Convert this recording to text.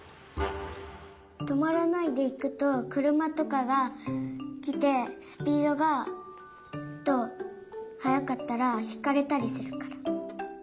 とまらないでいくとくるまとかがきてスピードがえっとはやかったらひかれたりするから。